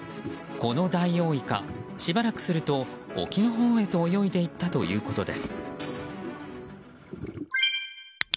このダイオウイカしばらくすると沖のほうへと泳いでいったということです。